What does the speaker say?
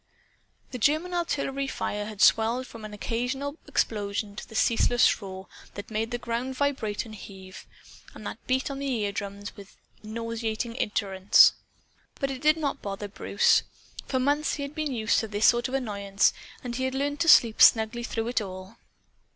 The German artillery fire had swelled from an occasional explosion to a ceaseless roar, that made the ground vibrate and heave, and that beat on the eardrums with nauseating iterance. But it did not bother Bruce. For months he had been used to this sort of annoyance, and he had learned to sleep snugly through it all.